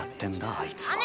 あいつは。